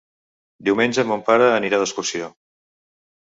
Diumenge mon pare anirà d'excursió.